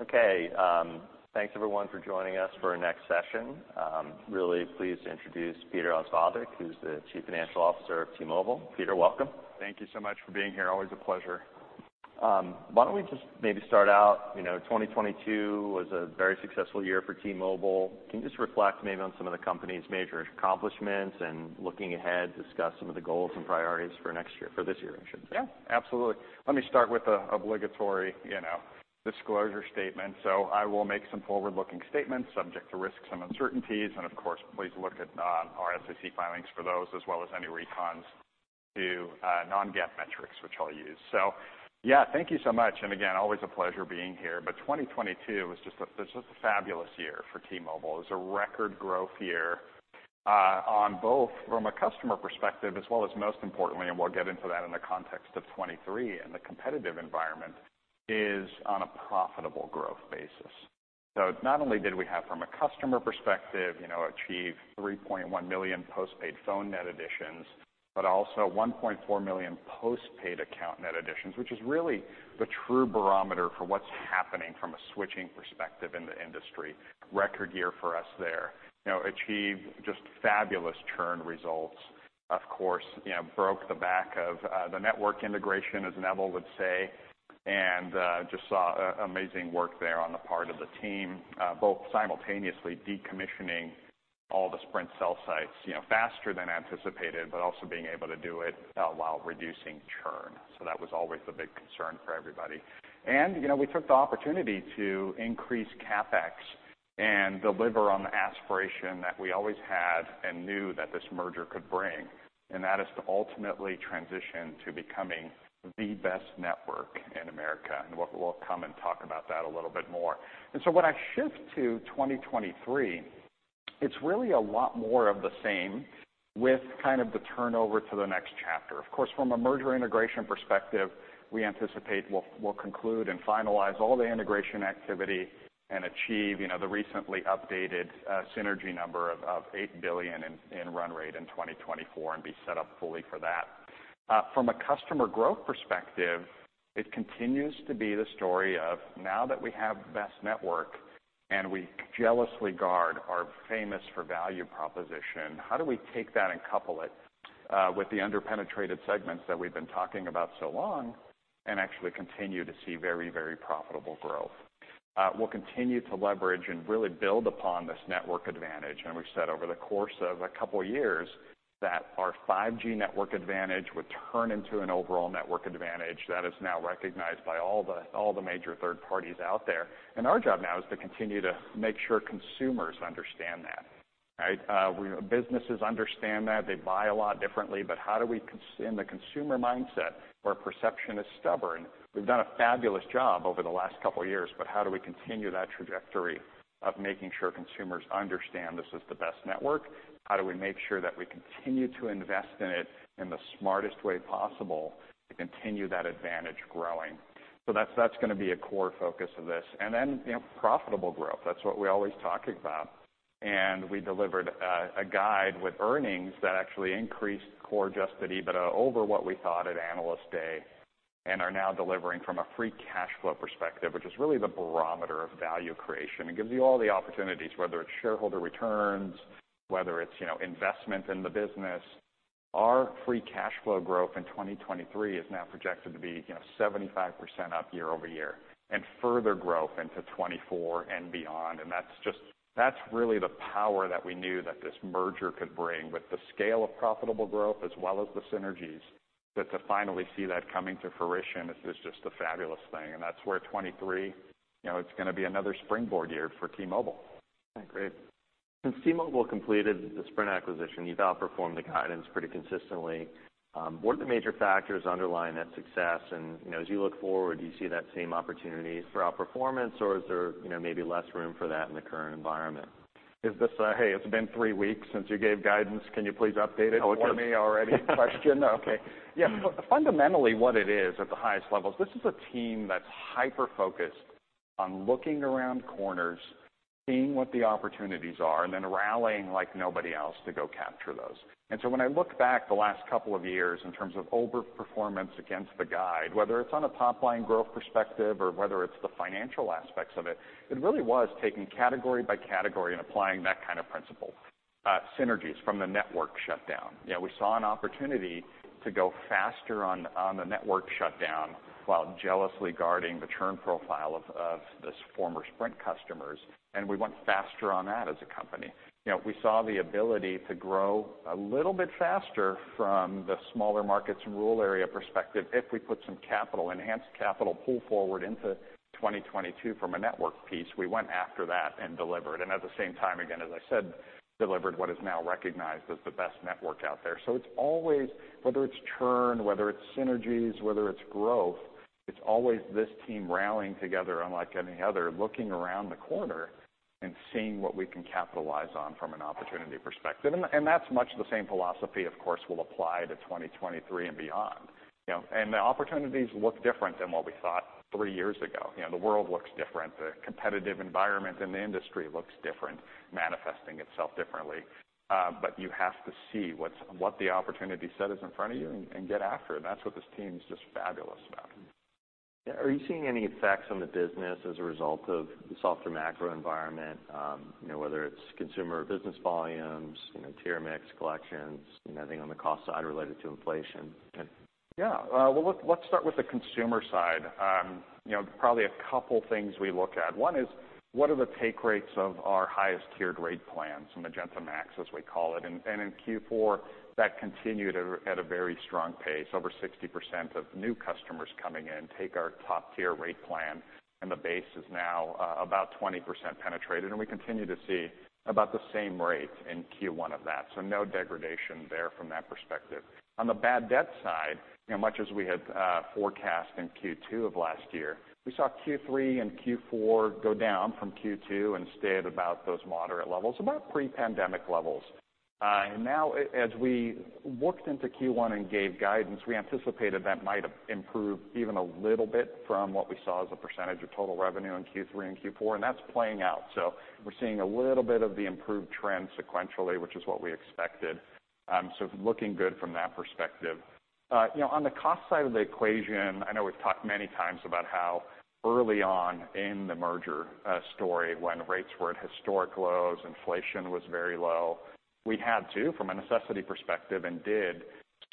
Okay. Thanks everyone for joining us for our next session. Really pleased to introduce Peter Osvaldik, who's the Chief Financial Officer of T-Mobile. Peter, welcome. Thank you so much for being here. Always a pleasure. Why don't we just maybe start out, you know, 2022 was a very successful year for T-Mobile. Can you just reflect maybe on some of the company's major accomplishments and, looking ahead, discuss some of the goals and priorities for next year, for this year, I should say? Yeah, absolutely. Let me start with the obligatory, you know, disclosure statement. I will make some forward-looking statements subject to risks and uncertainties, and of course, please look at our SEC filings for those as well as any recons to non-GAAP metrics, which I'll use. Yeah, thank you so much, and again, always a pleasure being here. 2022 was just a fabulous year for T-Mobile. It was a record growth year on both from a customer perspective as well as most importantly, and we'll get into that in the context of 23 and the competitive environment, is on a profitable growth basis. Not only did we have from a customer perspective, you know, achieve 3.1 million postpaid phone net additions, but also 1.4 million postpaid account net additions, which is really the true barometer for what's happening from a switching perspective in the industry. Record year for us there. You know, achieved just fabulous churn results. Of course, you know, broke the back of the network integration, as Neville would say, and just saw amazing work there on the part of the team, both simultaneously decommissioning all the Sprint cell sites, you know, faster than anticipated, but also being able to do it while reducing churn. That was always the big concern for everybody. You know, we took the opportunity to increase CapEx and deliver on the aspiration that we always had and knew that this merger could bring, and that is to ultimately transition to becoming the best network in America, we'll come and talk about that a little bit more. When I shift to 2023, it's really a lot more of the same with kind of the turnover to the next chapter. Of course, from a merger integration perspective, we anticipate we'll conclude and finalize all the integration activity and achieve, you know, the recently updated synergy number of $8 billion in run rate in 2024 and be set up fully for that. From a customer growth perspective, it continues to be the story of now that we have the best network, and we jealously guard our famous for value proposition, how do we take that and couple it with the under-penetrated segments that we've been talking about so long and actually continue to see very, very profitable growth? We'll continue to leverage and really build upon this network advantage. We've said over the course of a couple years that our 5G network advantage would turn into an overall network advantage that is now recognized by all the major third parties out there. Our job now is to continue to make sure consumers understand that, right? Businesses understand that. They buy a lot differently. how do we in the consumer mindset where perception is stubborn, we've done a fabulous job over the last couple years, how do we continue that trajectory of making sure consumers understand this is the best network? How do we make sure that we continue to invest in it in the smartest way possible to continue that advantage growing? That's gonna be a core focus of this. Then, you know, profitable growth. That's what we're always talking about. We delivered a guide with earnings that actually increased Core Adjusted EBITDA over what we thought at Analyst Day and are now delivering from a free cash flow perspective, which is really the barometer of value creation and gives you all the opportunities, whether it's shareholder returns, whether it's, you know, investment in the business. Our free cash flow growth in 2023 is now projected to be, you know, +75% year-over-year and further growth into 2024 and beyond. That's really the power that we knew that this merger could bring with the scale of profitable growth as well as the synergies. To finally see that coming to fruition is just a fabulous thing. That's where 2023, you know, it's gonna be another springboard year for T-Mobile. Yeah. Great. Since T-Mobile completed the Sprint acquisition, you've outperformed the guidance pretty consistently. What are the major factors underlying that success? You know, as you look forward, do you see that same opportunity for outperformance, or is there, you know, maybe less room for that in the current environment? Is this a, "Hey, it's been three weeks since you gave guidance. Can you please update it for me already?" question? Okay. Yeah. Fundamentally, what it is at the highest levels, this is a team that's hyper-focused on looking around corners, seeing what the opportunities are, and then rallying like nobody else to go capture those. When I look back the last couple of years in terms of overperformance against the guide, whether it's on a top-line growth perspective or whether it's the financial aspects of it really was taking category by category and applying that kind of principle. Synergies from the network shutdown. You know, we saw an opportunity to go faster on the network shutdown while jealously guarding the churn profile of those former Sprint customers, and we went faster on that as a company. You know, we saw the ability to grow a little bit faster from the smaller markets and rural area perspective if we put some capital, enhanced capital pull forward into 2022 from a network piece. We went after that and delivered. At the same time, again, as I said, delivered what is now recognized as the best network out there. It's always, whether it's churn, whether it's synergies, whether it's growth, it's always this team rallying together unlike any other, looking around the corner and seeing what we can capitalize on from an opportunity perspective. That's much the same philosophy, of course, we'll apply to 2023 and beyond, you know? The opportunities look different than what we thought three years ago. You know, the world looks different. The competitive environment in the industry looks different, manifesting itself differently. You have to see what the opportunity set is in front of you and get after it. That's what this team's just fabulous about. Yeah. Are you seeing any effects on the business as a result of the softer macro environment, you know, whether it's consumer or business volumes, you know, tier mix collections, anything on the cost side related to inflation? Yeah. Well, let's start with the consumer side. You know, probably a couple things we look at. One is, what are the take rates of our highest tiered rate plans, the Magenta MAX, as we call it. In Q4, that continued at a very strong pace. Over 60% of new customers coming in take our top-tier rate plan, and the base is now about 20% penetrated. We continue to see about the same rate in Q1 of that. No degradation there from that perspective. On the bad debt side, you know, much as we had forecast in Q2 of last year, we saw Q3 and Q4 go down from Q2 and stay at about those moderate levels, about pre-pandemic levels. Now as we looked into Q1 and gave guidance, we anticipated that might have improved even a little bit from what we saw as a percentage of total revenue in Q3 and Q4, and that's playing out. We're seeing a little bit of the improved trend sequentially, which is what we expected. Looking good from that perspective. You know, on the cost side of the equation, I know we've talked many times about how early on in the merger story, when rates were at historic lows, inflation was very low, we had to, from a necessity perspective, and did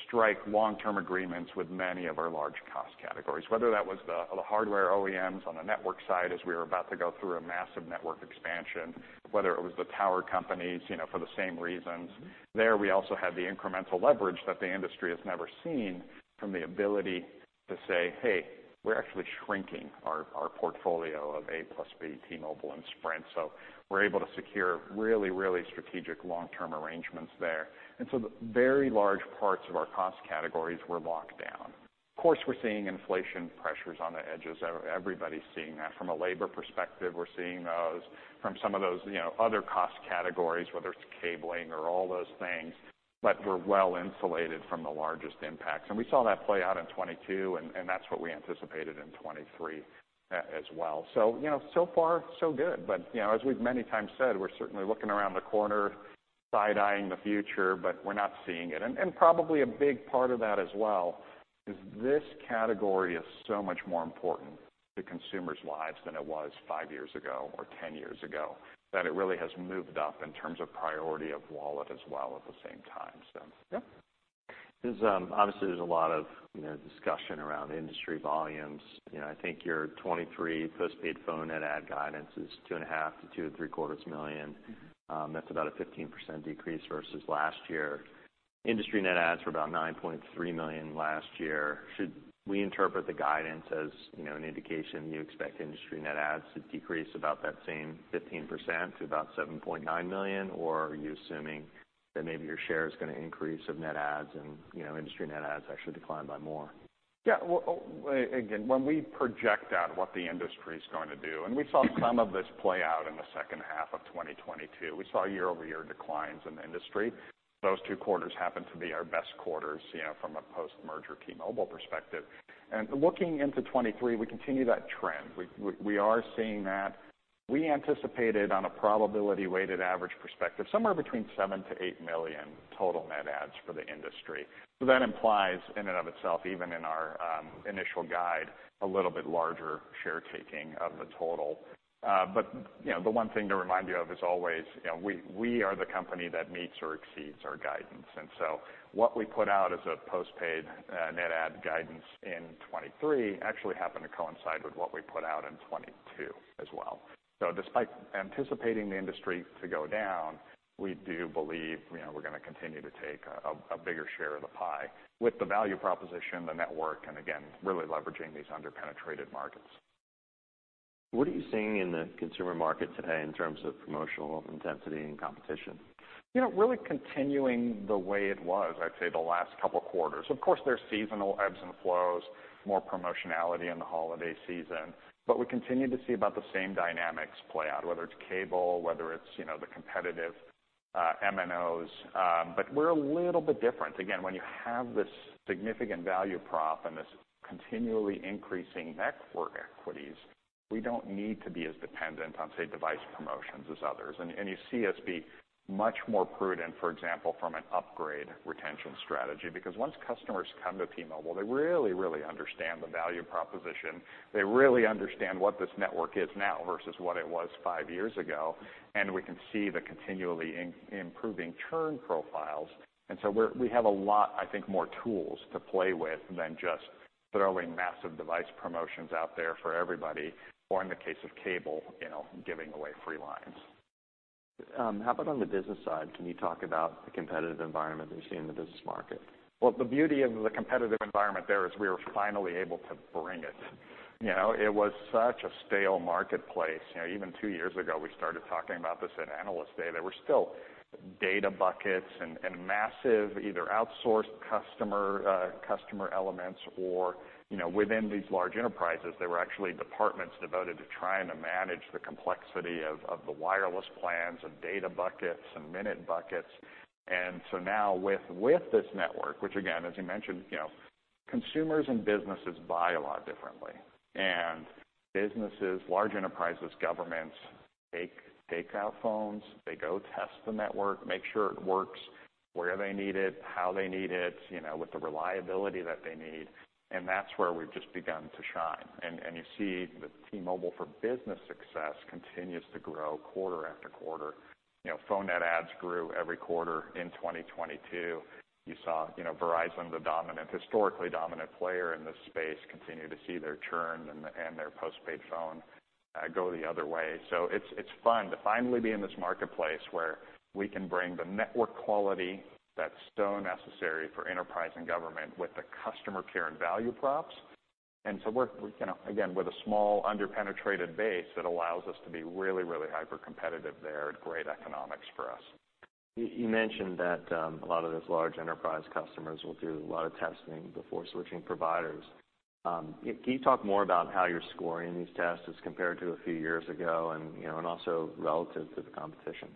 strike long-term agreements with many of our large cost categories, whether that was the hardware OEMs on the network side as we were about to go through a massive network expansion, whether it was the power companies, you know, for the same reasons. There, we also had the incremental leverage that the industry has never seen from the ability to say, "Hey, we're actually shrinking our portfolio of A plus B T-Mobile and Sprint." We're able to secure really, really strategic long-term arrangements there. The very large parts of our cost categories were locked down. Of course, we're seeing inflation pressures on the edges. Everybody's seeing that. From a labor perspective, we're seeing those. From some of those, you know, other cost categories, whether it's cabling or all those things, but we're well-insulated from the largest impacts. We saw that play out in 2022, and that's what we anticipated in 2023 as well. You know, so far, so good. You know, as we've many times said, we're certainly looking around the corner, side-eyeing the future, but we're not seeing it. Probably a big part of that as well is this category is so much more important to consumers' lives than it was five years ago or 10 years ago, that it really has moved up in terms of priority of wallet as well at the same time. Yeah. There's obviously, there's a lot of, you know, discussion around industry volumes. You know, I think your 2023 postpaid phone net add guidance is 2.5 million-2.75 million. That's about a 15% decrease versus last year. Industry net adds were about $9.3 million last year. Should we interpret the guidance as, you know, an indication you expect industry net adds to decrease about that same 15% to about $7.9 million, or are you assuming that maybe your share is gonna increase of net adds and, you know, industry net adds actually decline by more? Well, again, when we project out what the industry's going to do, we saw some of this play out in the second half of 2022, we saw year-over-year declines in the industry. Those two quarters happened to be our best quarters, you know, from a post-merger T-Mobile perspective. Looking into 2023, we continue that trend. We are seeing that. We anticipated on a probability weighted average perspective, somewhere between 7 million-8 million total net adds for the industry. That implies in and of itself, even in our initial guide, a little bit larger share taking of the total. You know, the one thing to remind you of is always, you know, we are the company that meets or exceeds our guidance. What we put out as a postpaid net add guidance in 2023 actually happened to coincide with what we put out in 2022 as well. Despite anticipating the industry to go down, we do believe, you know, we're gonna continue to take a bigger share of the pie with the value proposition, the network, and again, really leveraging these under-penetrated markets. What are you seeing in the consumer market today in terms of promotional intensity and competition? You know, really continuing the way it was, I'd say, the last couple quarters. Of course, there's seasonal ebbs and flows, more promotionality in the holiday season. We continue to see about the same dynamics play out, whether it's cable, whether it's, you know, the competitive, MNOs. We're a little bit different. Again, when you have this significant value prop and this continually increasing network equities, we don't need to be as dependent on, say, device promotions as others. You see us be much more prudent, for example, from an upgrade retention strategy. Once customers come to T-Mobile, they really, really understand the value proposition. They really understand what this network is now versus what it was 5 years ago, and we can see the continually improving churn profiles. We have a lot, I think, more tools to play with than just throwing massive device promotions out there for everybody, or in the case of cable, you know, giving away free lines. How about on the business side? Can you talk about the competitive environment that you see in the business market? Well, the beauty of the competitive environment there is we were finally able to bring it. You know, it was such a stale marketplace. You know, even two years ago, we started talking about this at Analyst Day. There were still data buckets and massive either outsourced customer elements or, you know, within these large enterprises, there were actually departments devoted to trying to manage the complexity of the wireless plans and data buckets and minute buckets. Now with this network, which again, as you mentioned, you know, consumers and businesses buy a lot differently. Businesses, large enterprises, governments take out phones, they go test the network, make sure it works where they need it, how they need it, you know, with the reliability that they need. That's where we've just begun to shine. You see the T-Mobile for Business success continues to grow quarter after quarter. You know, phone net adds grew every quarter in 2022. You saw, you know, Verizon, the historically dominant player in this space, continue to see their churn and their postpaid phone go the other way. It's fun to finally be in this marketplace where we can bring the network quality that's so necessary for enterprise and government with the customer care and value props. We're, you know, again, with a small under-penetrated base that allows us to be really, really hyper-competitive there at great economics for us. You mentioned that a lot of those large enterprise customers will do a lot of testing before switching providers. Can you talk more about how you're scoring these tests as compared to a few years ago and, you know, and also relative to the competition?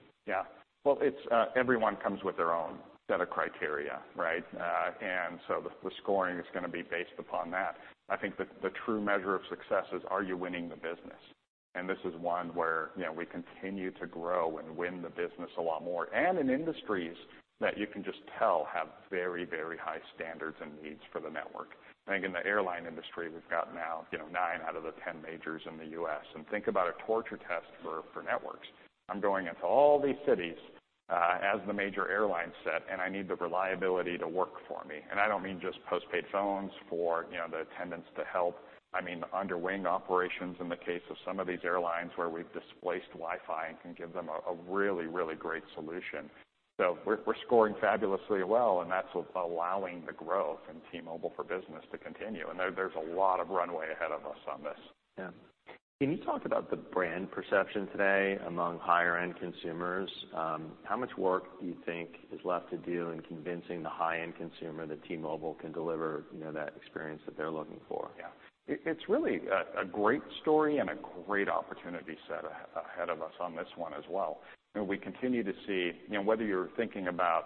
Well, it's everyone comes with their own set of criteria, right? The scoring is gonna be based upon that. I think the true measure of success is, are you winning the business? This is one where, you know, we continue to grow and win the business a lot more. In industries that you can just tell have very, very high standards and needs for the network. I think in the airline industry, we've got now, you know, nine out of the 10 majors in the U.S. Think about a torture test for networks. I'm going into all these cities, as the major airlines set, and I need the reliability to work for me. I don't mean just postpaid phones for, you know, the attendants to help. I mean, under wing operations in the case of some of these airlines where we've displaced Wi-Fi and can give them a really great solution. We're scoring fabulously well, and that's allowing the growth in T-Mobile for Business to continue. There's a lot of runway ahead of us on this. Yeah. Can you talk about the brand perception today among higher-end consumers? How much work do you think is left to do in convincing the high-end consumer that T-Mobile can deliver, you know, that experience that they're looking for? It, it's really a great story and a great opportunity set ahead of us on this one as well. You know, we continue to see, you know, whether you're thinking about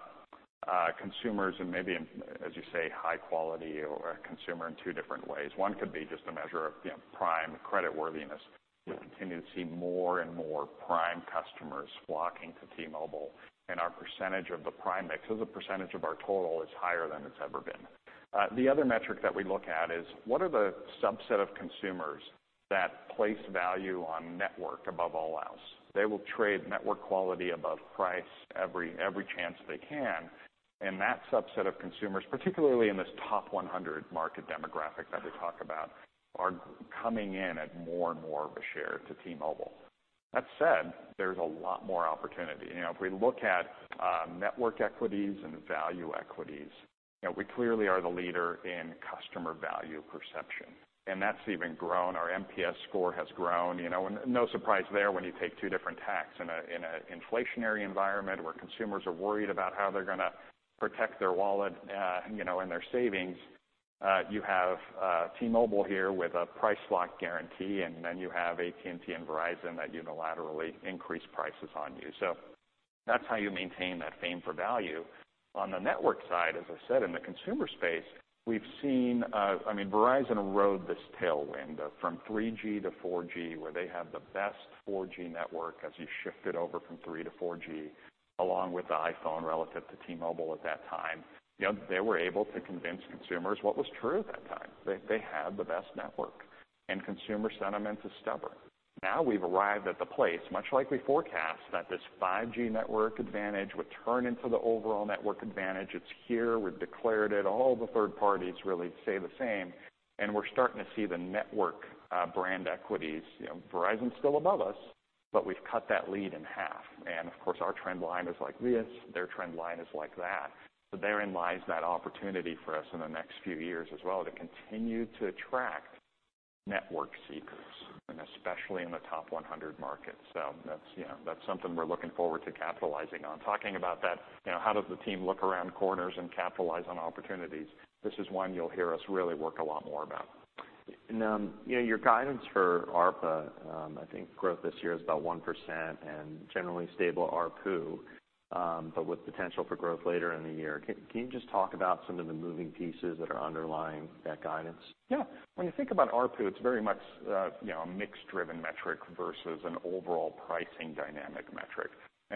consumers and maybe, as you say, high quality or a consumer in two different ways. One could be just a measure of, you know, prime creditworthiness. We continue to see more and more prime customers flocking to T-Mobile, and our percentage of the prime mix as a percentage of our total is higher than it's ever been. The other metric that we look at is what are the subset of consumers that place value on network above all else? They will trade network quality above price every chance they can. That subset of consumers, particularly in this top 100 market demographic that we talk about, are coming in at more and more of a share to T-Mobile. That said, there's a lot more opportunity. You know, if we look at network equities and value equities, you know, we clearly are the leader in customer value perception, and that's even grown. Our NPS has grown, you know. No surprise there when you take two different tax in a, in a inflationary environment where consumers are worried about how they're gonna protect their wallet, you know, and their savings. You have T-Mobile here with a Price Lock guarantee, and then you have AT&T and Verizon that unilaterally increase prices on you. That's how you maintain that fame for value. On the network side, as I said, in the consumer space, we've seen... I mean, Verizon rode this tailwind from 3G-4G, where they have the best 4G network as you shifted over from 3G-4G, along with the iPhone relative to T-Mobile at that time. You know, they were able to convince consumers what was true at that time. They had the best network. Consumer sentiment is stubborn. Now we've arrived at the place, much like we forecast, that this 5G network advantage would turn into the overall network advantage. It's here, we've declared it, all the third parties really say the same, and we're starting to see the network brand equities. You know, Verizon's still above us, but we've cut that lead in half. Of course, our trend line is like this, their trend line is like that. Therein lies that opportunity for us in the next few years as well to continue to attract network seekers, and especially in the top 100 markets. That's, you know, that's something we're looking forward to capitalizing on. Talking about that, you know, how does the team look around corners and capitalize on opportunities? This is one you'll hear us really work a lot more about. You know, your guidance for ARPA, I think growth this year is about 1% and generally stable ARPU, but with potential for growth later in the year. Can you just talk about some of the moving pieces that are underlying that guidance? Yeah. When you think about ARPU, it's very much, you know, a mix-driven metric versus an overall pricing dynamic metric.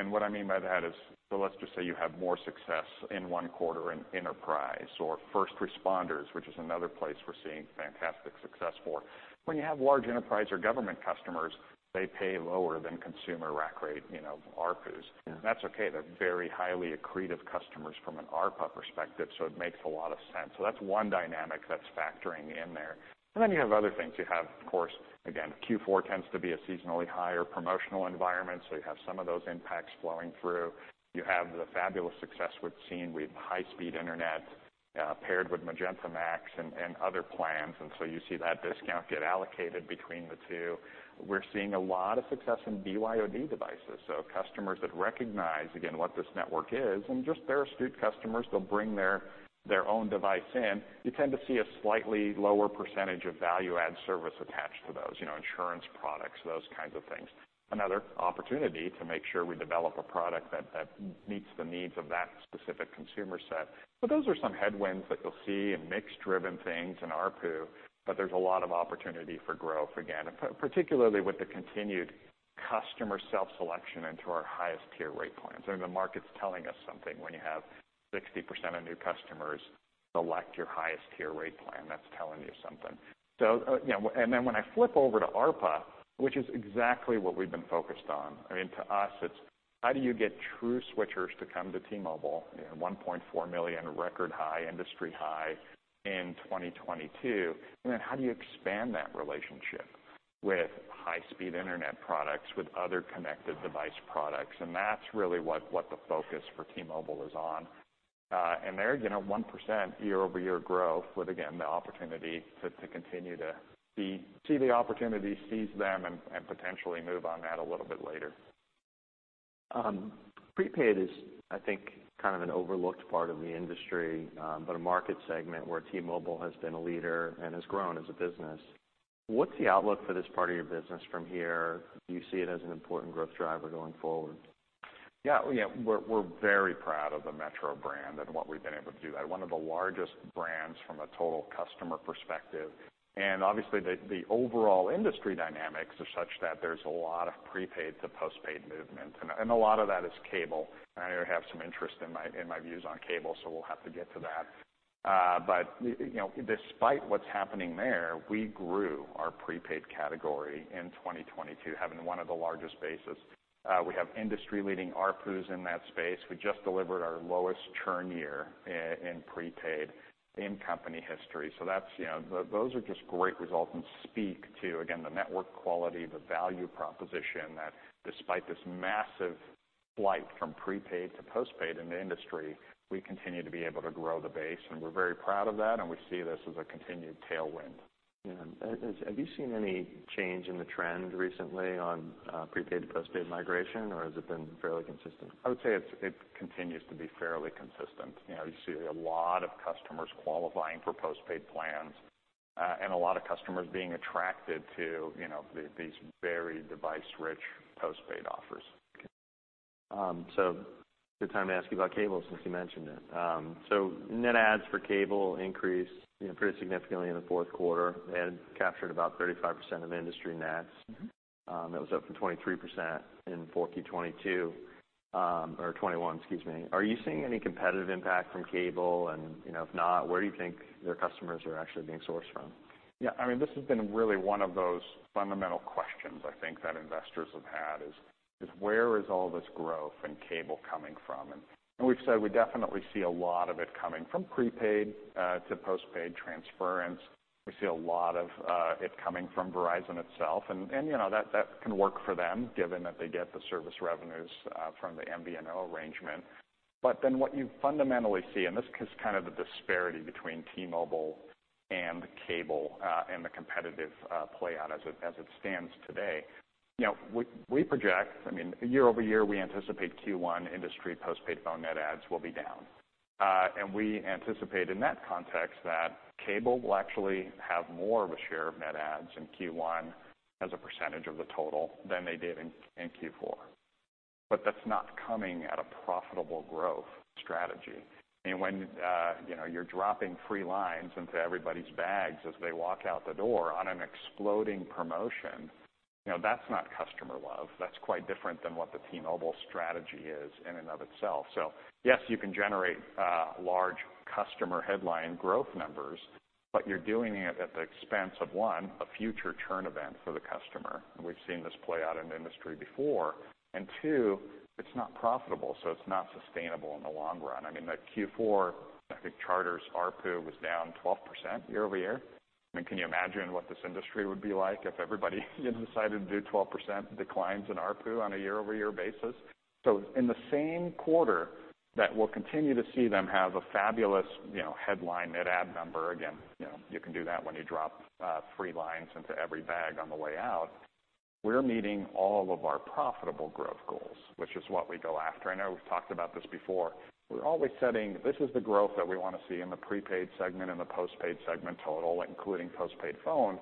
What I mean by that is, let's just say you have more success in one quarter in enterprise or first responders, which is another place we're seeing fantastic success for. When you have large enterprise or government customers, they pay lower than consumer rack rate, you know, ARPUs. Yeah. That's okay. They're very highly accretive customers from an ARPA perspective. It makes a lot of sense. That's one dynamic that's factoring in there. You have other things. You have, of course, again, Q4 tends to be a seasonally higher promotional environment. You have some of those impacts flowing through. You have the fabulous success we've seen with high-speed internet, paired with Magenta MAX and other plans. You see that discount get allocated between the two. We're seeing a lot of success in BYOD devices. Customers that recognize, again, what this network is and just they're astute customers, they'll bring their own device in. You tend to see a slightly lower percentage of value-add service attached to those, you know, insurance products, those kinds of things. Another opportunity to make sure we develop a product that meets the needs of that specific consumer set. But those are some headwinds that you'll see and mix-driven things in ARPU, but there's a lot of opportunity for growth again, particularly with the continued customer self-selection into our highest tier rate plans. I mean, the market's telling us something when you have 60% of new customers select your highest tier rate plan, that's telling you something. You know, when I flip over to ARPA, which is exactly what we've been focused on, I mean, to us, it's how do you get true switchers to come to T-Mobile, you know, 1.4 million record high, industry high in 2022, and then how do you expand that relationship with high speed internet products, with other connected device products? That's really what the focus for T-Mobile is on. There, you know, 1% year-over-year growth with, again, the opportunity to continue to see the opportunity, seize them, and potentially move on that a little bit later. Prepaid is, I think, kind of an overlooked part of the industry, but a market segment where T-Mobile has been a leader and has grown as a business. What's the outlook for this part of your business from here? Do you see it as an important growth driver going forward? Yeah, you know, we're very proud of the Metro brand and what we've been able to do. One of the largest brands from a total customer perspective. obviously, the overall industry dynamics are such that there's a lot of prepaid to postpaid movement, and a lot of that is cable. I have some interest in my, in my views on cable, so we'll have to get to that. you know, despite what's happening there, we grew our prepaid category in 2022, having one of the largest bases. we have industry-leading ARPUs in that space. We just delivered our lowest churn year in prepaid in company history. That's, you know... Those are just great results and speak to, again, the network quality, the value proposition that despite this massive flight from prepaid to postpaid in the industry, we continue to be able to grow the base, and we're very proud of that, and we see this as a continued tailwind. Yeah. Have you seen any change in the trend recently on prepaid to postpaid migration, or has it been fairly consistent? I would say it's, it continues to be fairly consistent. You know, you see a lot of customers qualifying for postpaid plans, and a lot of customers being attracted to, you know, these very device-rich postpaid offers. Good time to ask you about cable since you mentioned it. Net adds for cable increased, you know, pretty significantly in the Q4 and captured about 35% of industry nets. Mm-hmm. That was up from 23% in Q4 2022, or 2021, excuse me. Are you seeing any competitive impact from cable? You know, if not, where do you think your customers are actually being sourced from? I mean, this has been really one of those fundamental questions I think that investors have had, is where is all this growth in cable coming from? We've said we definitely see a lot of it coming from prepaid to postpaid transference. We see a lot of it coming from Verizon itself and, you know, that can work for them given that they get the service revenues from the MVNO arrangement. What you fundamentally see, and this is kind of the disparity between T-Mobile and cable and the competitive play out as it stands today, you know, we project, I mean, year-over-year, we anticipate Q1 industry postpaid phone net adds will be down. We anticipate in that context that cable will actually have more of a share of net adds in Q1 as a percentage of the total than they did in Q4. That's not coming at a profitable growth strategy. I mean, when, you know, you're dropping free lines into everybody's bags as they walk out the door on an exploding promotion, you know, that's not customer love. That's quite different than what the T-Mobile strategy is in and of itself. Yes, you can generate large customer headline growth numbers, but you're doing it at the expense of, one, a future churn event for the customer, and we've seen this play out in the industry before. Two, it's not profitable, so it's not sustainable in the long run. I mean, the Q4, I think Charter's ARPU was down 12% year-over-year. I mean, can you imagine what this industry would be like if everybody decided to do 12% declines in ARPU on a year-over-year basis? In the same quarter that we'll continue to see them have a fabulous, you know, headline net add number. Again, you know you can do that when you drop free lines into every bag on the way out. We're meeting all of our profitable growth goals, which is what we go after. I know we've talked about this before. We're always setting this is the growth that we want to see in the prepaid segment and the postpaid segment total, including postpaid phone,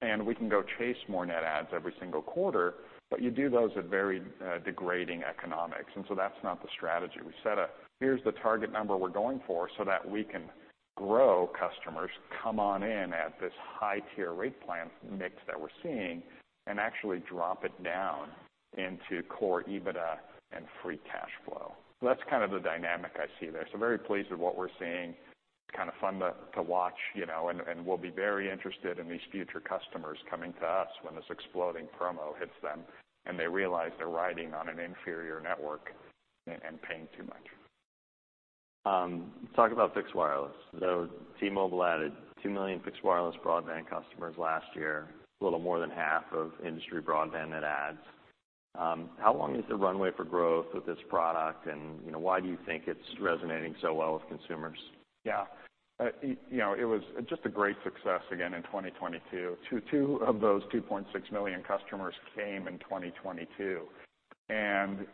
and we can go chase more net adds every single quarter, but you do those at very degrading economics, and so that's not the strategy. We set a, "Here's the target number we're going for so that we can grow customers, come on in at this high tier rate plan mix that we're seeing, and actually drop it down into core EBITDA and free cash flow." That's kind of the dynamic I see there. Very pleased with what we're seeing. Kind of fun to watch, you know, and we'll be very interested in these future customers coming to us when this exploding promo hits them and they realize they're riding on an inferior network and paying too much. Talk about fixed wireless. T-Mobile added 2 million fixed wireless broadband customers last year, a little more than half of industry broadband net adds. How long is the runway for growth with this product? You know, why do you think it's resonating so well with consumers? Yeah. You know, it was just a great success again in 2022. Two of those 2.6 million customers came in 2022. You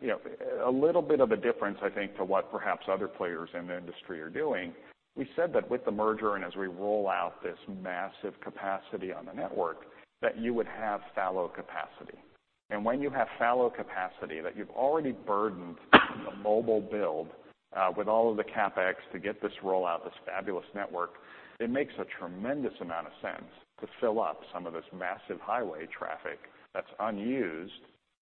know, a little bit of a difference, I think, to what perhaps other players in the industry are doing, we said that with the merger and as we roll out this massive capacity on the network, that you would have fallow capacity. When you have fallow capacity that you've already burdened the mobile build with all of the CapEx to get this rollout, this fabulous network, it makes a tremendous amount of sense to fill up some of this massive highway traffic that's unused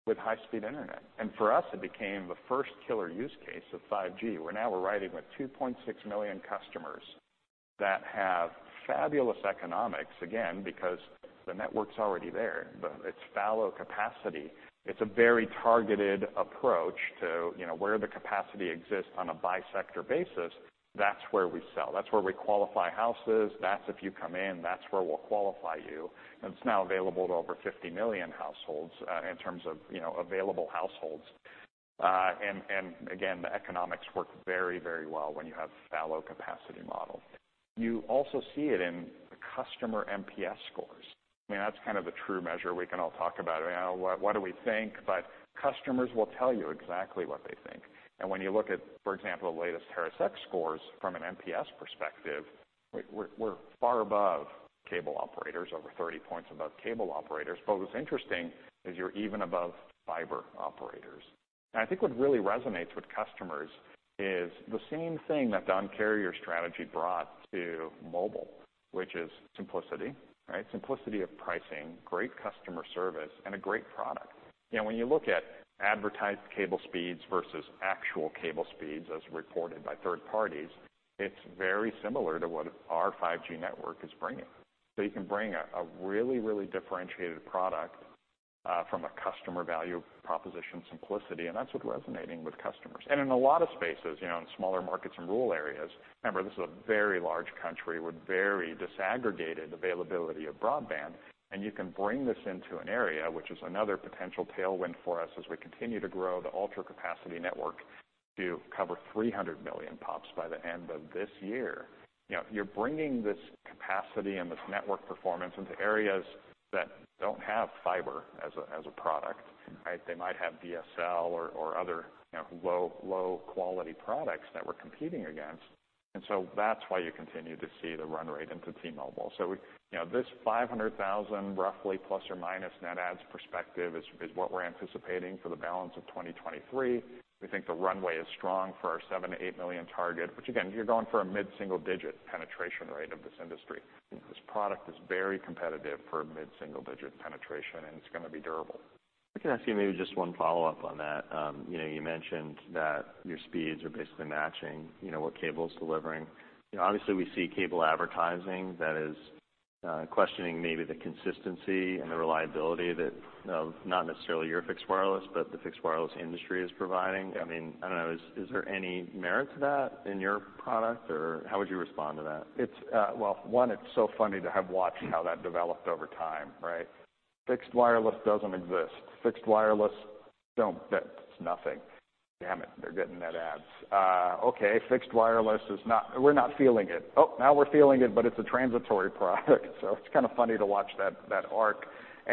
with high-speed internet. For us, it became the first killer use case of 5G, where now we're riding with 2.6 million customers that have fabulous economics, again, because the network's already there. The... It's fallow capacity. It's a very targeted approach to where the capacity exists on a bisector basis, that's where we sell. That's where we qualify houses. That's if you come in, that's where we'll qualify you. It's now available to over 50 million households in terms of available households. Again, the economics work very, very well when you have fallow capacity model. You also see it in the customer NPS scores. I mean, that's kind of the true measure we can all talk about what do we think? Customers will tell you exactly what they think. When you look at, for example, the latest TeraX scores from an NPS perspective, we're far above cable operators, over 30 points above cable operators. What's interesting is you're even above fiber operators. I think what really resonates with customers is the same thing that Un-carrier's strategy brought to mobile, which is simplicity, right? Simplicity of pricing, great customer service, and a great product. You know, when you look at advertised cable speeds versus actual cable speeds as reported by third parties, it's very similar to what our 5G network is bringing. You can bring a really, really differentiated product from a customer value proposition simplicity, and that's what resonating with customers. In a lot of spaces, you know, in smaller markets and rural areas, remember, this is a very large country with very disaggregated availability of broadband, and you can bring this into an area, which is another potential tailwind for us as we continue to grow the Ultra Capacity network to cover 300 million PoPs by the end of this year. You know, you're bringing this capacity and this network performance into areas that don't have fiber as a product, right? They might have DSL or other, you know, low quality products that we're competing against. That's why you continue to see the run rate into T-Mobile. You know, this 500,000, roughly ± net adds perspective is what we're anticipating for the balance of 2023. We think the runway is strong for our 7 million-8 million target, which again, you're going for a mid-single-digit penetration rate of this industry. This product is very competitive for a mid-single-digit penetration. It's gonna be durable. If I can ask you maybe just one follow-up on that. you know, you mentioned that your speeds are basically matching, you know, what cable's delivering. You know, obviously, we see cable advertising that is, questioning maybe the consistency and the reliability that, not necessarily your fixed wireless, but the fixed wireless industry is providing. Yeah. I mean, I don't know, is there any merit to that in your product, or how would you respond to that? It's, well, one, it's so funny to have watched how that developed over time, right? Fixed Wireless doesn't exist. Fixed Wireless That's nothing. Damn it. They're getting that adds. Okay, Fixed Wireless We're not feeling it. Oh, now we're feeling it, but it's a transitory product. It's kind of funny to watch that arc.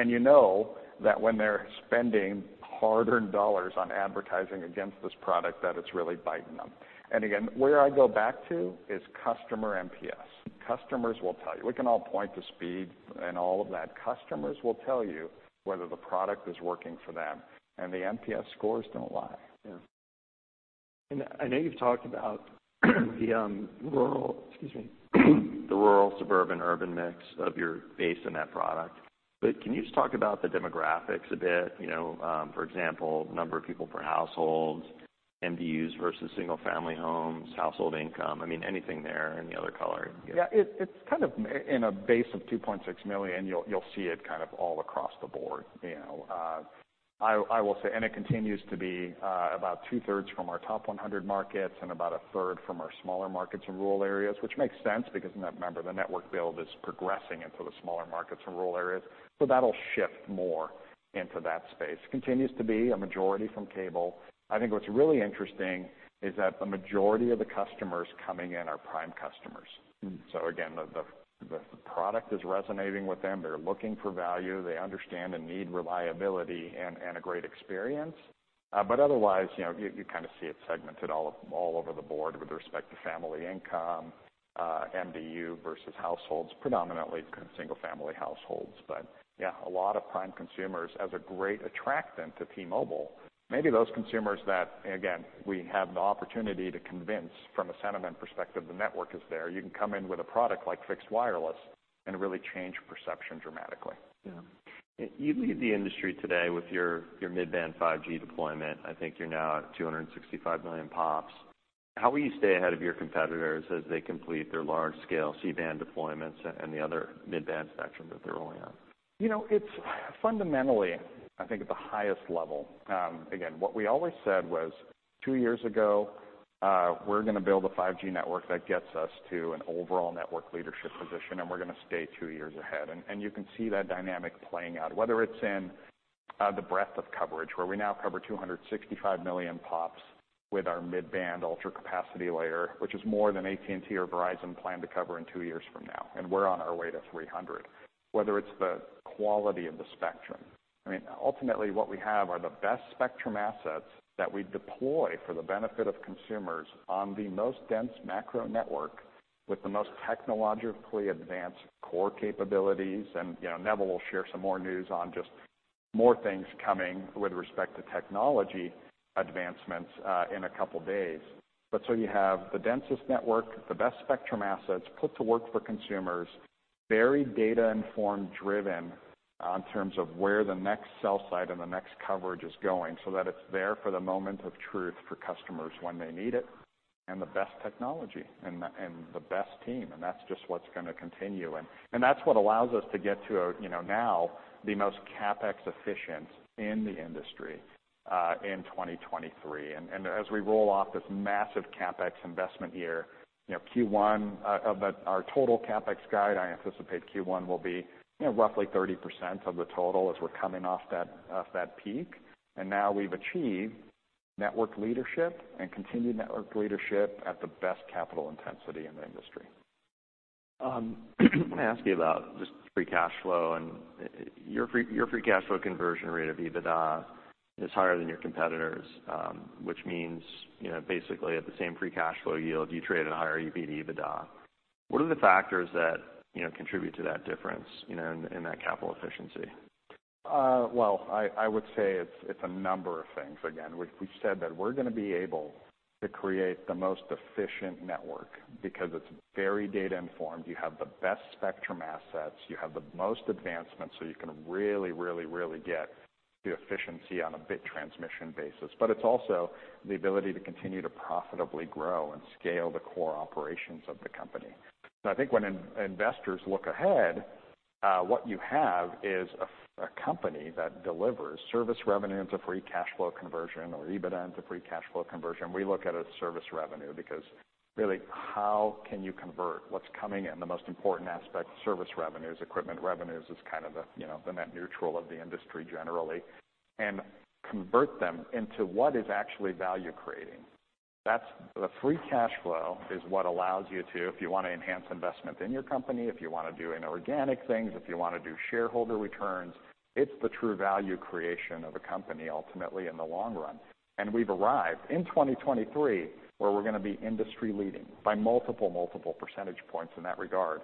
You know that when they're spending hard-earned dollars on advertising against this product, that it's really biting them. Again, where I go back to is customer NPS. Customers will tell you. We can all point to speed and all of that. Customers will tell you whether the product is working for them, and the NPS scores don't lie. Yeah. I know you've talked about Excuse me the rural, suburban, urban mix of your base in that product. Can you just talk about the demographics a bit? You know, for example, number of people per households, MDUs versus single-family homes, household income. I mean, anything there, any other color you can? Yeah. It's kind of in a base of $2.6 million, you'll see it kind of all across the board, you know. I will say. It continues to be about two-thirds from our top 100 markets and about a third from our smaller markets in rural areas, which makes sense because remember, the network build is progressing into the smaller markets and rural areas. That'll shift more into that space. Continues to be a majority from cable. I think what's really interesting is that the majority of the customers coming in are Prime customers. Mm. Again, the product is resonating with them. They're looking for value. They understand and need reliability and a great experience. Otherwise, you know, you kinda see it segmented all over the board with respect to family income, MDU versus households, predominantly single-family households. Yeah, a lot of Prime consumers as a great attractant to T-Mobile. Maybe those consumers that, again, we have the opportunity to convince from a sentiment perspective, the network is there. You can come in with a product like Fixed Wireless and really change perception dramatically. Yeah. You lead the industry today with your mid-band 5G deployment. I think you're now at 265 million PoPs. How will you stay ahead of your competitors as they complete their large-scale C-band deployments and the other mid-band spectrum that they're rolling out? You know, it's fundamentally, I think at the highest level, again, what we always said was, two years ago, we're gonna build a 5G network that gets us to an overall network leadership position, and we're gonna stay two years ahead. You can see that dynamic playing out, whether it's in the breadth of coverage, where we now cover 265 million PoPs with our mid-band Ultra Capacity layer, which is more than AT&T or Verizon plan to cover in two years from now, and we're on our way to 300. Whether it's the quality of the spectrum. I mean, ultimately, what we have are the best spectrum assets that we deploy for the benefit of consumers on the most dense macro network with the most technologically advanced core capabilities. You know, Neville will share some more news on just more things coming with respect to technology advancements in a couple days. You have the densest network, the best spectrum assets put to work for consumers, very data informed driven on terms of where the next cell site and the next coverage is going so that it's there for the moment of truth for customers when they need it, and the best technology and the best team. That's just what's gonna continue. That's what allows us to get to a, you know, now the most CapEx efficient in the industry in 2023. As we roll off this massive CapEx investment year, you know, Q1 of our total CapEx guide, I anticipate Q1 will be, you know, roughly 30% of the total as we're coming off that, off that peak. Now we've achieved network leadership and continued network leadership at the best capital intensity in the industry. Let me ask you about just free cash flow and your free cash flow conversion rate of EBITDA is higher than your competitors, which means, you know, basically at the same free cash flow yield, you trade at a higher EBITDA. What are the factors that, you know, contribute to that difference, you know, in that capital efficiency? Well, I would say it's a number of things. Again, we've said that we're gonna be able to create the most efficient network because it's very data informed. You have the best spectrum assets, you have the most advancements, so you can really, really, really get the efficiency on a bit transmission basis. It's also the ability to continue to profitably grow and scale the core operations of the company. I think when investors look ahead, what you have is a company that delivers service revenue into free cash flow conversion or EBITDA into free cash flow conversion. We look at it as service revenue because really how can you convert what's coming in the most important aspect, service revenues, equipment revenues is kind of the, you know, the net neutral of the industry generally, and convert them into what is actually value creating. The free cash flow is what allows you to, if you wanna enhance investment in your company, if you wanna do inorganic things, if you wanna do shareholder returns, it's the true value creation of a company ultimately in the long run. We've arrived in 2023, where we're gonna be industry leading by multiple percentage points in that regard.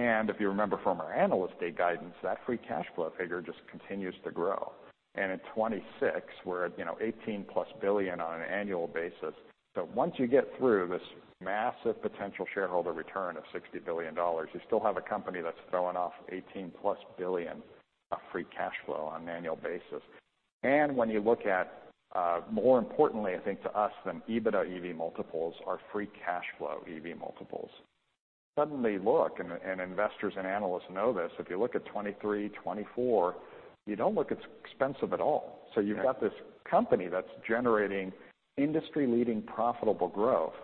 If you remember from our Analyst Day guidance, that free cash flow figure just continues to grow. In 2026, we're at, you know, $18+ billion on an annual basis. Once you get through this massive potential shareholder return of $60 billion, you still have a company that's throwing off $18+ billion of free cash flow on an annual basis. When you look at, more importantly, I think to us than EBITDA EV multiples are free cash flow EV multiples. Suddenly look, and investors and analysts know this. If you look at 2023, 2024, you don't look as expensive at all. You've got this company that's generating industry leading profitable growth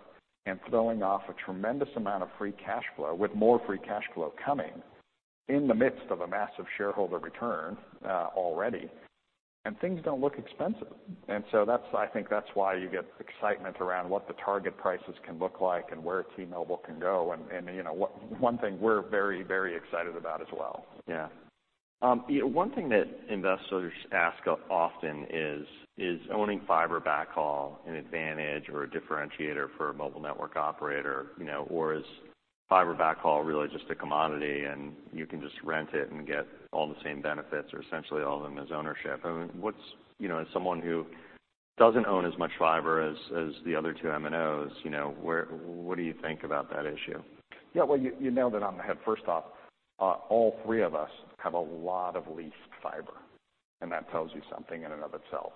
and throwing off a tremendous amount of free cash flow with more free cash flow coming in the midst of a massive shareholder return already, and things don't look expensive. I think that's why you get excitement around what the target prices can look like and where T-Mobile can go. You know, one thing we're very excited about as well. You know, one thing that investors ask often is owning fiber backhaul an advantage or a differentiator for a mobile network operator, you know, or is fiber backhaul really just a commodity and you can just rent it and get all the same benefits or essentially all of them as ownership? I mean, what's, you know, as someone who doesn't own as much fiber as the other two MNOs, you know, what do you think about that issue? Yeah. Well, you nailed it on the head. First off, all three of us have a lot of leased fiber, and that tells you something in and of itself.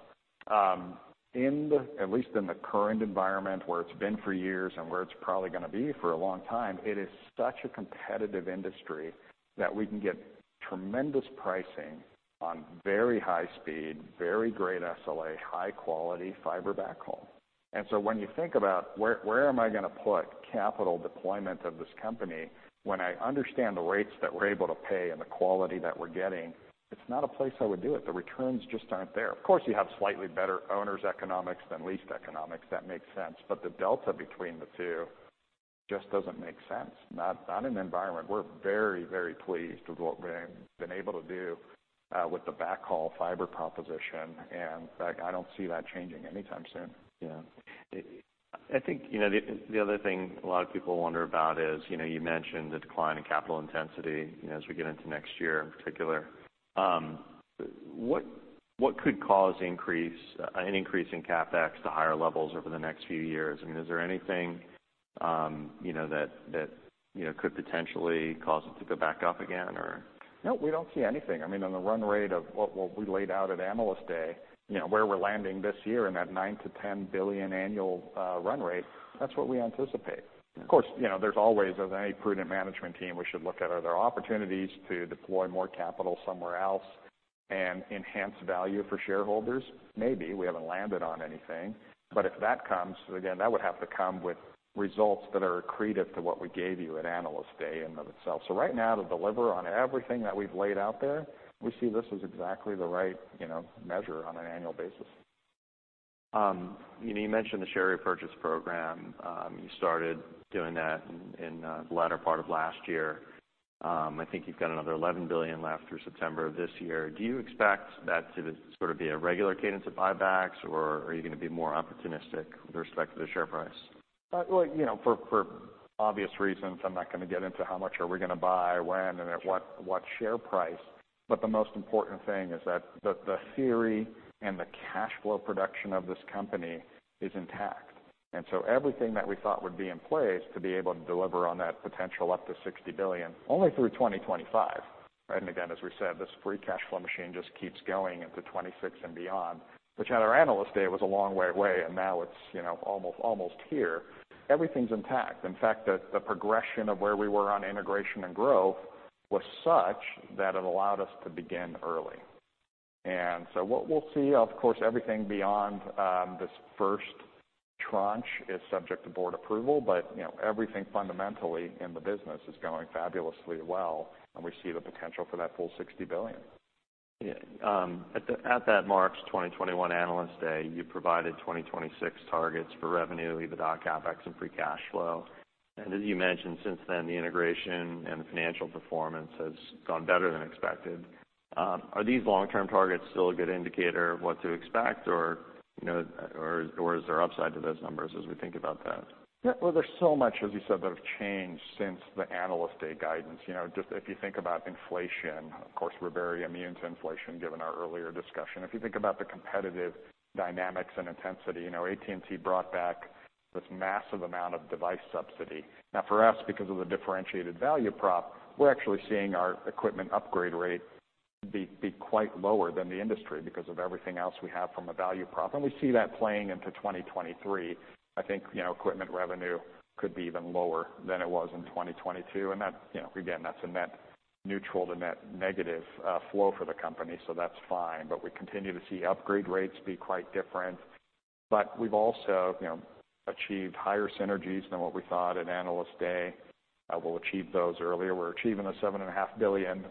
In the, at least in the current environment where it's been for years and where it's probably gonna be for a long time, it is such a competitive industry that we can get tremendous pricing on very high speed, very great SLA, high quality fiber backhaul. When you think about where am I gonna put capital deployment of this company when I understand the rates that we're able to pay and the quality that we're getting, it's not a place I would do it. The returns just aren't there. Of course, you have slightly better owners economics than leased economics. That makes sense. The delta between the two just doesn't make sense. Not in an environment. We're very pleased with what we're been able to do with the backhaul fiber proposition, and in fact, I don't see that changing anytime soon. Yeah. I think, you know, the other thing a lot of people wonder about is, you know, you mentioned the decline in capital intensity, you know, as we get into next year in particular. What could cause an increase in CapEx to higher levels over the next few years? I mean, is there anything, you know, that, you know, could potentially cause it to go back up again or? No, we don't see anything. I mean, on the run rate of what we laid out at Analyst Day, you know, where we're landing this year and that $9 billion-$10 billion annual run rate, that's what we anticipate. Of course, you know, there's always, as any prudent management team, we should look at are there opportunities to deploy more capital somewhere else and enhance value for shareholders? Maybe. We haven't landed on anything. If that comes, again, that would have to come with results that are accretive to what we gave you at Analyst Day in and of itself. Right now to deliver on everything that we've laid out there, we see this as exactly the right, you know, measure on an annual basis. You know, you mentioned the share repurchase program. You started doing that in the latter part of last year. I think you've got another $11 billion left through September of this year. Do you expect that to sort of be a regular cadence of buybacks or are you gonna be more opportunistic with respect to the share price? Well, you know, for obvious reasons, I'm not gonna get into how much are we gonna buy, when, and at what share price. The most important thing is that the theory and the cash flow production of this company is intact. Everything that we thought would be in place to be able to deliver on that potential up to $60 billion, only through 2025, right? Again, as we said, this free cash flow machine just keeps going into 2026 and beyond, which at our Analyst Day was a long way away, and now it's, you know, almost here. Everything's intact. In fact, the progression of where we were on integration and growth was such that it allowed us to begin early. What we'll see, of course, everything beyond, this first tranche is subject to board approval, but, you know, everything fundamentally in the business is going fabulously well, and we see the potential for that full $60 billion. Yeah. At that March 2021 Analyst Day, you provided 2026 targets for revenue, EBITDA, CapEx, and free cash flow. As you mentioned, since then, the integration and the financial performance has gone better than expected. Are these long-term targets still a good indicator of what to expect or, you know, or is there upside to those numbers as we think about that? Yeah. Well, there's so much, as you said, that have changed since the Analyst Day guidance. You know, just if you think about inflation, of course, we're very immune to inflation, given our earlier discussion. If you think about the competitive dynamics and intensity, you know, AT&T brought back this massive amount of device subsidy. Now, for us, because of the differentiated value prop, we're actually seeing our equipment upgrade rate be quite lower than the industry because of everything else we have from a value prop, and we see that playing into 2023. I think, you know, equipment revenue could be even lower than it was in 2022, and that's, you know, again, that's a net neutral to net negative flow for the company, so that's fine. We continue to see upgrade rates be quite different. We've also, you know, achieved higher synergies than what we thought at Analyst Day. We'll achieve those earlier. We're achieving the $7.5 billion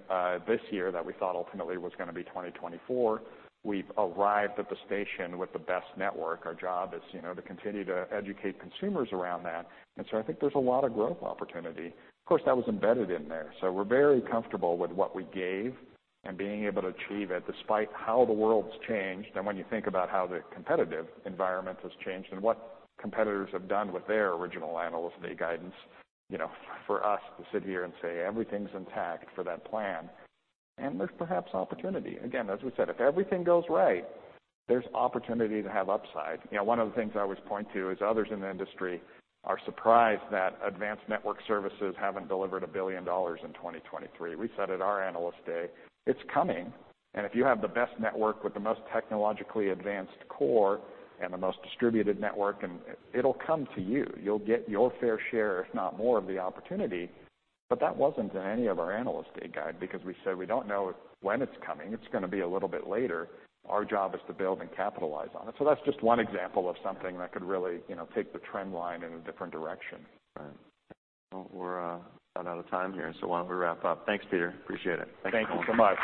this year that we thought ultimately was gonna be 2024. We've arrived at the station with the best network. Our job is, you know, to continue to educate consumers around that. I think there's a lot of growth opportunity. Of course, that was embedded in there, so we're very comfortable with what we gave and being able to achieve it despite how the world's changed. When you think about how the competitive environment has changed and what competitors have done with their original Analyst Day guidance, you know, for us to sit here and say everything's intact for that plan, and there's perhaps opportunity. Again, as we said, if everything goes right, there's opportunity to have upside. You know, one of the things I always point to is others in the industry are surprised that Advanced Network Solutions haven't delivered $1 billion in 2023. We said at our Analyst Day, it's coming. If you have the best network with the most technologically advanced core and the most distributed network, it'll come to you. You'll get your fair share, if not more, of the opportunity. That wasn't in any of our Analyst Day guide because we said we don't know when it's coming. It's gonna be a little bit later. Our job is to build and capitalize on it. That's just one example of something that could really, you know, take the trend line in a different direction. Right. Well, we're about out of time here, so why don't we wrap up? Thanks, Peter. Appreciate it. Thank you so much.